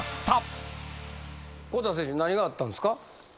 孝太選手何があったんですか？